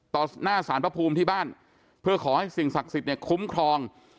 หน้าสารพระภูมิที่บ้านเพื่อขอให้สิ่งศักดิ์สิทธิ์เนี่ยคุ้มครอง